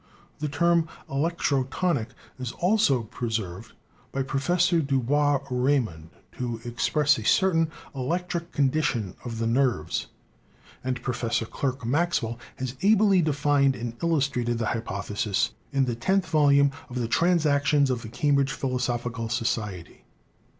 The term electrotonic is also preserved by Professor DuBois Reymond to express a certain electric condition of the nerves, and Professor Clerk Maxwell has ably denned and illustrated the hypothesis in the tenth volume of the 'Transactions of the Cambridge Philosophical Society.'